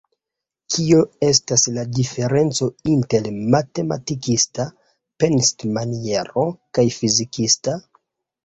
Kio estas la diferenco inter matematikista pensmaniero kaj fizikista?